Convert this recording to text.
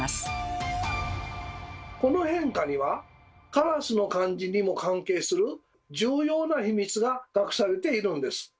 この変化にはカラスの漢字にも関係する重要な秘密が隠されているんです。